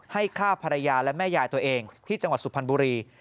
ฆ่าภรรยาและแม่ยายตัวเองที่จังหวัดสุพรรณบุรี